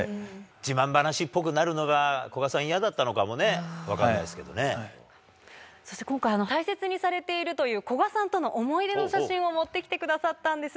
自慢話っぽくなるのが、古賀さん、嫌だったのかもね、そして今回、大切にされているという古賀さんとの思い出の写真を持ってきてくださったんです。